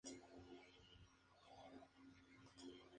Consta de dos campos, ambos de color plata.